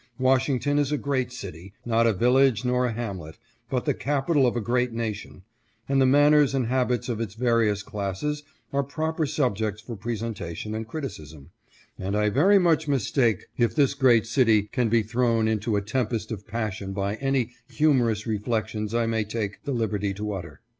Washington is a great city, not a village nor a hamlet, but the capital of a great nation, and the man ners and habits of its various classes are proper subjects for pre sentation and criticism, and I very much mistake if this great city can be thrown into a tempest of passion by any humorous reflections I may take the liberty to utter.